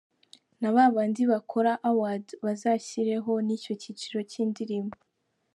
Na babandi bakora ‘award’ bazashyireho n’icyo cyiciro cy’indirimbo